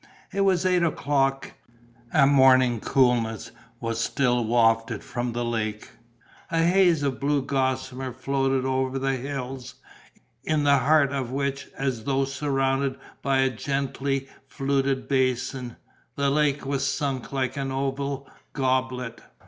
It was eight o'clock; a morning coolness was still wafted from the lake; a haze of blue gossamer floated over the hills, in the heart of which, as though surrounded by a gently fluted basin, the lake was sunk like an oval goblet.